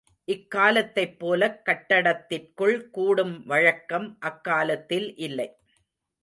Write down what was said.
இக்காலத்தைப் போலக் கட்டடத்திற்குள் கூடும் வழக்கம் அக்காலத்தில் இல்லை.